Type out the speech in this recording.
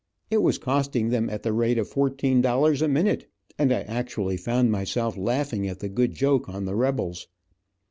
It was costing them at the rate of fourteen dollars a minute, and I actually found myself laughing at the good joke on the rebels.